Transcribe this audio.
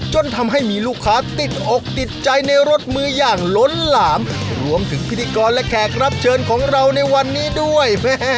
จนทำให้มีลูกค้าติดอกติดใจในรถมืออย่างล้นหลามรวมถึงพิธีกรและแขกรับเชิญของเราในวันนี้ด้วย